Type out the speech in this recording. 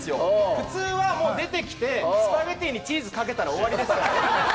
普通は出てきて、スパゲティにチーズかけたら終わりですからね。